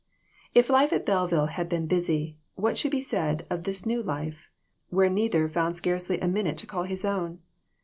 If life at Belleville had been busy, what should be said of this new life, when neither found scarcely a minute to call his own.